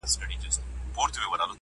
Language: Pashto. • ژوند سرینده نه ده، چي بیا یې وږغوم.